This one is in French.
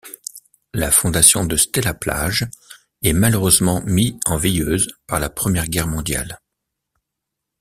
La fondation de Stella-Plage est malheureusement mis en veilleuse par la Première Guerre mondiale.